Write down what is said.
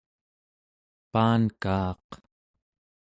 paankaaq